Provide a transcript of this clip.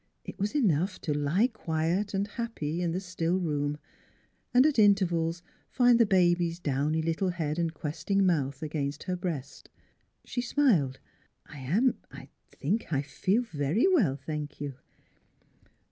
It was enough to lie quiet and happy in the still room, and at intervals find the baby's downy little head and questing mouth against her breast. She smiled. " I am I think I feel very well thank you."